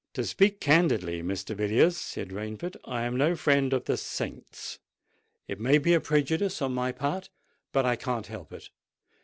"To speak candidly, Mr. Villiers," said Rainford, "I am no friend to the saints. It may be a prejudice on my part—but I can't help it.